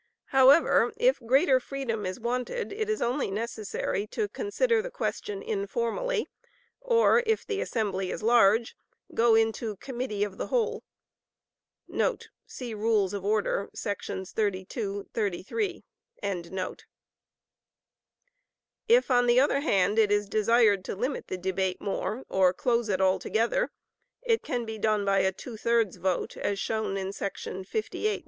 However, if greater freedom is wanted, it is only necessary to consider the question informally, or if the assembly is large, go into committee of the whole.* [See Rules of Order, §§ 32, 33.] If on the other hand it is desired to limit the debate more, or close it altogether, it can be done by a two thirds vote, as shown in § 58 (b).